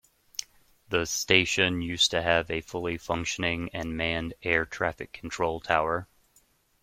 The station used to have a fully functioning and manned Air Traffic Control Tower.